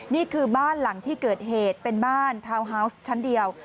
นี่คือบ้านหลังที่เกิดเหตุเป็นบ้านทาวน์ฮาวส์ชั้นเดียว